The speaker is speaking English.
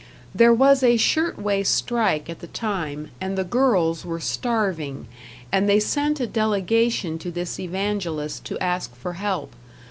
There was a shirt waist strike at the time, and the girls were starving, and they sent a delegation to this evangelist to ask for help.